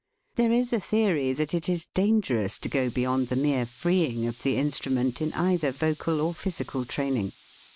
There is a theory that it is dangerous to go beyond the mere freeing of the instrument in either vocal or physical training.